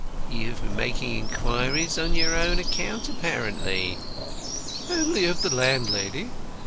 "You have been making inquiries on your own account apparently?" "Only of the landlady.